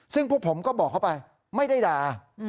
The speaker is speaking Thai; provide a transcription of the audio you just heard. ซึ่งพวกผมก็บอกเขาไปไม่ได้ด่า